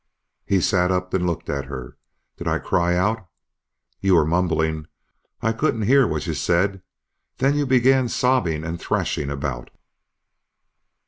He sat up and looked at her. "Did I cry out?" "You were mumbling. I couldn't hear what you said. Then you began sobbing and thrashing about."